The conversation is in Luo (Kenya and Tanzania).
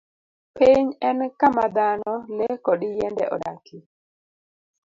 Piny en kama dhano, le, kod yiende odakie.